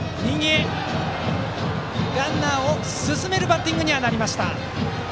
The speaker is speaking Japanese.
ランナーを進めるバッティングにはなりました。